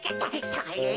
それ！